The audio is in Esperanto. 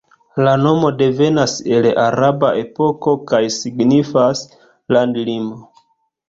La nomo devenas el araba epoko kaj signifas "landlimo".